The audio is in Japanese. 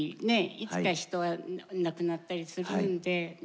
いつか人は亡くなったりするんでね。